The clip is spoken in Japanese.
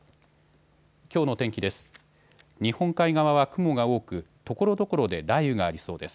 きょうの天気です。